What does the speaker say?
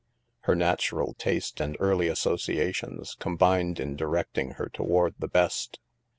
Her natural taste and early associa tions combined in directing her toward the best.